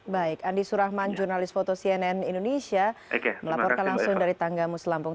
baik andi surahman jurnalis foto cnn indonesia melaporkan langsung dari tanggamus lampung